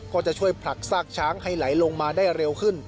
ก็จะช่วยผลักซากช้างให้ไหลลงมาได้เร็วขึ้น